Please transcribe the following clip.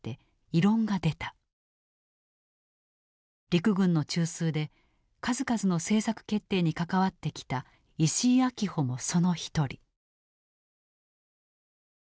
陸軍の中枢で数々の政策決定に関わってきた石井秋穂もその一人。